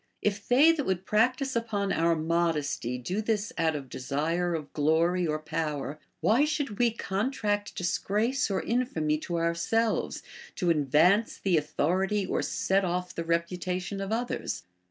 If they that would prac tise upon our modesty do this out of desire of glory or power, Avhy should Ave contract disgrace or infamy to our selves, to advance the authority or set off the reputation of others